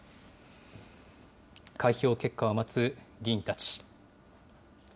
開票結果を待つ議員たち。